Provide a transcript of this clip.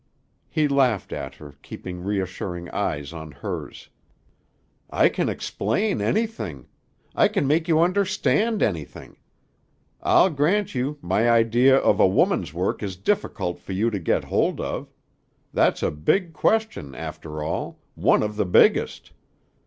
He laughed at her, keeping reassuring eyes on hers. "I can explain anything. I can make you understand anything. I'll grant you, my idea of a woman's work is difficult for you to get hold of. That's a big question, after all, one of the biggest.